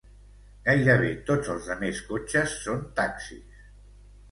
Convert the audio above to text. Gairebé tots els demés cotxes són taxis.